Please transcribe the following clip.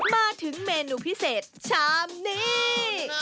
มาถึงเมนูพิเศษชามนี้